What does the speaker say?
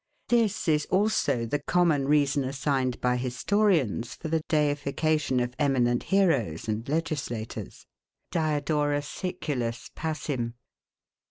This is also the common reason assigned by historians, for the deification of eminent heroes and legislators [Diod. Sic. passim.